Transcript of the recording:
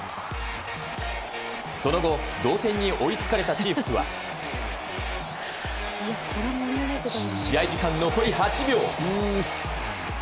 その後、同点に追いつかれたチーフスは試合時間残り８秒。